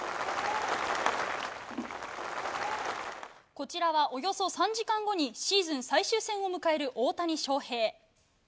こちらは、およそ３時間後にシーズン最終戦を迎える大谷翔平。